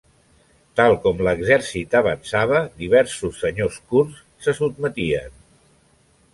Tal com l'exèrcit avançava diversos senyors kurds se sotmetien.